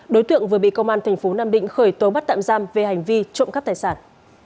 đối tượng vừa bị công an thành phố nam định khởi tố bắt tạm giam về hành vi trộm cắp tài sản